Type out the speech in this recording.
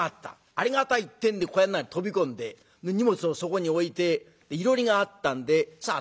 「ありがたい」ってんで小屋の中に飛び込んで荷物をそこに置いていろりがあったんでさあ